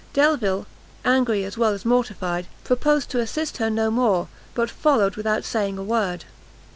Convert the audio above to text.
Delvile, angry as well as mortified, proposed to assist her no more, but followed without saying a word.